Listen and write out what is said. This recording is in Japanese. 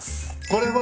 これは。